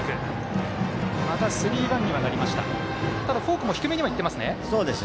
ただ、フォークも低めにはいっていますね。